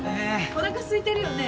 おなかすいてるよね